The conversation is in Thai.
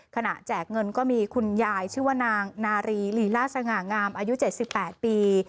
ขณะแจกเงินก็มีคุณยายชื่อว่านางนารีหลีล่าสง่างามอายุเจ็ดสิบแปดปี